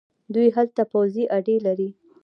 دوی هلته پوځي اډې لري.